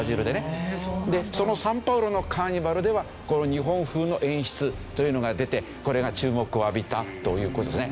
そのサンパウロのカーニバルではこの日本風の演出というのが出てこれが注目を浴びたという事ですね。